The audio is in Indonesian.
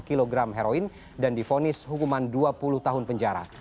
dua enam kilogram heroin dan difonis hukuman dua puluh tahun penjara